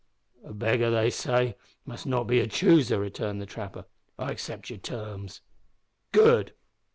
"A beggar, they say, must not be a chooser," returned the trapper. "I accept your terms." "Good.